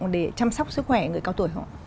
để chăm sóc sức khỏe người cao tuổi không